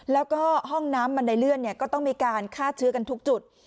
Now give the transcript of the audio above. แล้วก็ห้องน้ำบันไดเลื่อนก็ต้องมีการฆ่าเชื้อกันทุกจุด